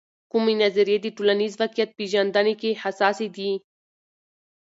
کومې نظریې د ټولنیز واقعیت پیژندنې کې حساسې دي؟